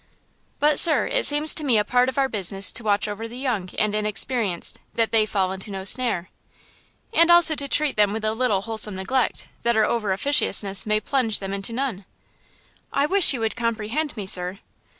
"But, sir, it seems to me a part of our business to watch over the young and inexperienced, that they fall into no snare." "And also to treat them with 'a little wholesome neglect' that our over officiousness may plunge them into none!" "I wish you would comprehend me, sir!"